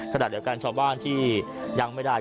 ขณะเดียวกันชาวบ้านที่ยังไม่ได้